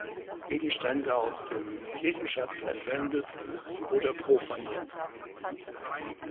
Gegenstände aus dem Kirchenschatz entwendet oder profaniert.